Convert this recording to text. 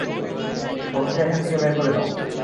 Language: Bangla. ওনাকে এখান থেকে বের করে দাও!